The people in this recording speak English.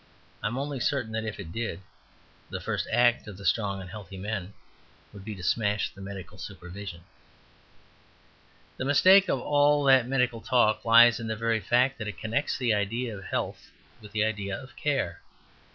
I am only certain that if it did, the first act of the strong and healthy men would be to smash the medical supervision. The mistake of all that medical talk lies in the very fact that it connects the idea of health with the idea of care.